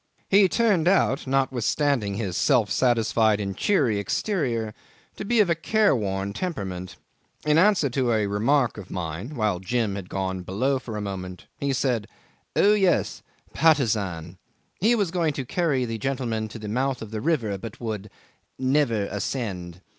He turned out, notwithstanding his self satisfied and cheery exterior, to be of a careworn temperament. In answer to a remark of mine (while Jim had gone below for a moment) he said, "Oh yes. Patusan." He was going to carry the gentleman to the mouth of the river, but would "never ascend."